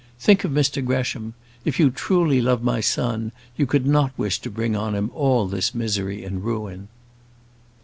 Think of Mr Gresham; if you truly love my son, you could not wish to bring on him all this misery and ruin."